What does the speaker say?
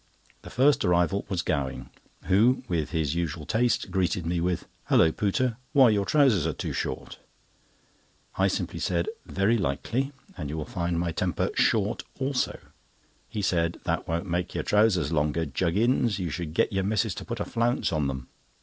The first arrival was Gowing, who, with his usual taste, greeted me with: "Hulloh, Pooter, why your trousers are too short!" I simply said: "Very likely, and you will find my temper 'short' also." He said: "That won't make your trousers longer, Juggins. You should get your missus to put a flounce on them."